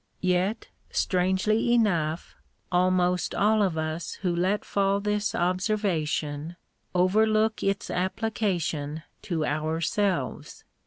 Yet, strangely enough, almost all of us who let fall this obser vation, overlook its application to ourselves.